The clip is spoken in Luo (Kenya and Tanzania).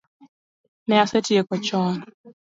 Ne a setieko chon